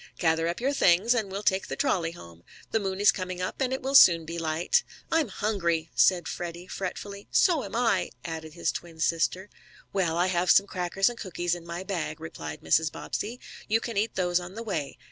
"Gather up your things, and we'll take the trolley home. The moon is coming up, and it will soon be light." "I'm hungry," said Freddie, fretfully. "So am I," added his twin sister. "Well, I have some crackers and cookies in my bag," replied Mrs. Bobbsey. "You can eat those on the way.